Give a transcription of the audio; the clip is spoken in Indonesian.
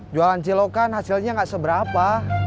jualan cilokan hasilnya nggak seberapa